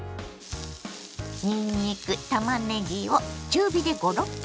にんにくたまねぎを中火で５６分炒めます。